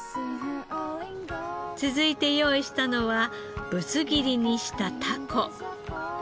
続いて用意したのはぶつ切りにしたタコ。